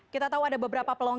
kita tahu ada beberapa pelonggaran